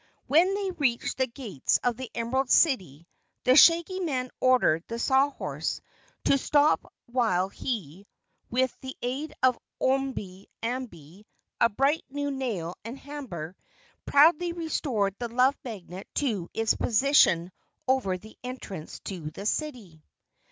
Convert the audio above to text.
When they reached the gates of the Emerald City, the Shaggy Man ordered the Sawhorse to stop while he, with the aid of Omby Amby, a bright new nail and a hammer, proudly restored the Love Magnet to its position over the entrance to the city.